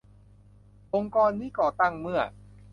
องค์กรนี้ก่อตั้งเมื่อ